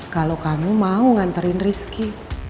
kalau kamu mau nganterin rizki